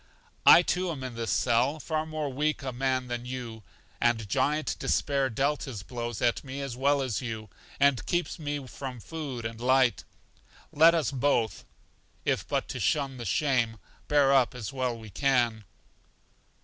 I, too, am in this cell, far more weak a man than you, and Giant Despair dealt his blows at me as well as you, and keeps me from food and light. Let us both (if but to shun the shame) bear up as well as we can.